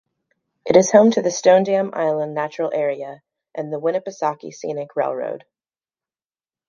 It is home to the Stonedam Island Natural Area and the Winnipesaukee Scenic Railroad.